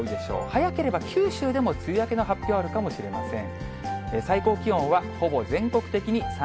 早ければ九州でも梅雨明けの発表あるかもしれません。